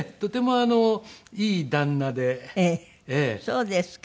そうですか。